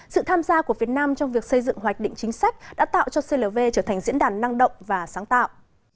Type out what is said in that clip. sự tham gia của việt nam trong việc xây dựng hoạch định chính sách đã tạo cho clv trở thành diễn đàn năng động và sáng tạo